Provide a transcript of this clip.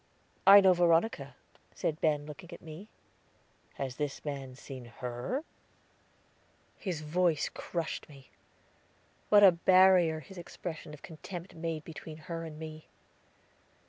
"I know Veronica," said Ben, looking at me. "Has this man seen her?" His voice crushed me. What a barrier his expression of contempt made between her and me!